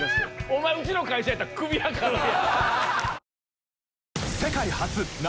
お前うちの会社やったらクビやからな。